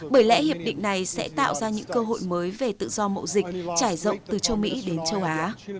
bởi lẽ hiệp định này sẽ tạo ra những cơ hội mới về tự do mậu dịch trải rộng từ châu mỹ đến châu á